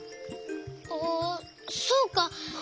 あそうか。